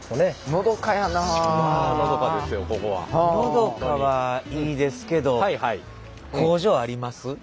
のどかはいいですけど工場あります？